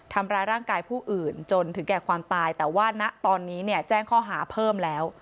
ทำร้ายร่างกายผู้อื่นจนถึงแก่ความตายแต่ว่าณตอนนี้เนี่ยแจ้งข้อหาเพิ่มแล้ว